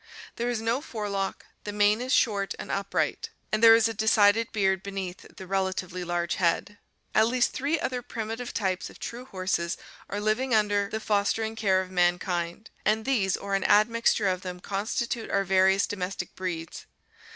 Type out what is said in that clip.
There is no fore lock, the mane is short and upright, and there is a decided beard beneath the relatively large head. At least three other primitive types of true horses are living under 622 ORGANIC EVOLUTION the fostering care of mankind, and these or an admixture of them constitute our various domestic breeds.